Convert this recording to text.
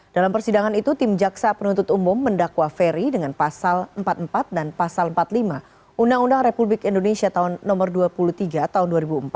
dalam persidangan itu tim jaksa penuntut umum mendakwa ferry dengan pasal empat puluh empat dan pasal empat puluh lima undang undang republik indonesia tahun nomor dua puluh tiga tahun dua ribu empat